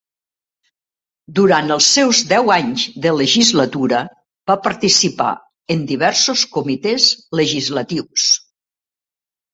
Durant els seus deu anys de legislatura, va participar en diversos comitès legislatius.